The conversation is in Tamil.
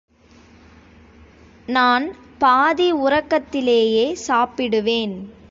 நான் பாதி உறக்கத்திலேயே சாப்பிடுவேன்.